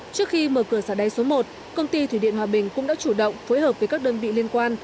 trước khi mở cửa xả đáy số một công ty thủy điện hòa bình cũng đã chủ động phối hợp với các đơn vị liên quan